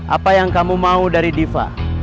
apa yang kamu mau dari diva